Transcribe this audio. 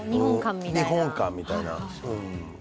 日本館みたいな。